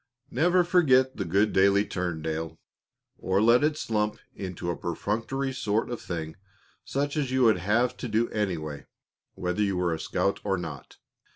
"Never forget the daily good turn, Dale, or let it slump into a perfunctory sort of thing such as you would have to do anyway whether you were a scout or not.